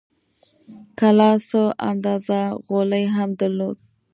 کلا څه اندازه غولی هم درلود.